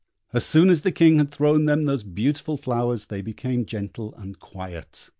As soon as the King had thrown them those beautiful flowers, they became gentle and quiet.